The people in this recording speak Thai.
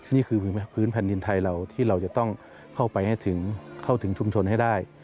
นี่คือพื้นแผ่นดินไทยเราที่เราจะต้องเข้าไปให้ถึงเข้าถึงชุมชนให้ได้